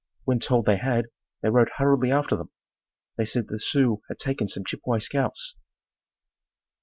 When told they had, they rode hurriedly after them. They said the Sioux had taken some Chippewa scalps.